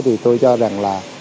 thì tôi cho rằng là